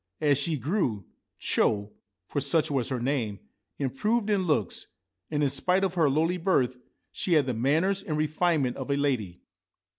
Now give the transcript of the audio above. As she grew, Cho — for such was her name — improved in looks, and, in spite of her lowly birth, she had the manners and refinement of a lady.